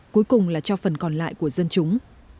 cuối cùng là cho phần còn lại của dân chúng